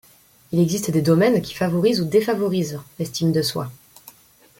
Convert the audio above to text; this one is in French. Il existe des domaines qui favorisent ou défavorisent l'estime de soi.